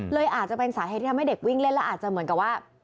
เลยอาจจะเป็นสาเหตุที่ทำให้เด็กวิ่งเล่นแล้วอาจจะเหมือนกับว่า